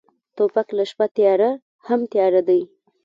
توپک له شپه تیاره هم تیاره دی.